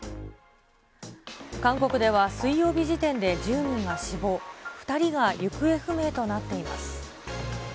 韓国では水曜日時点で１０人が死亡、２人が行方不明となっています。